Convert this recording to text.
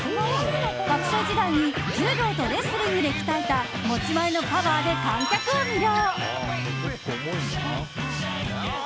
学生時代に柔道とレスリングで鍛えた持ち前のパワーで観客を魅了。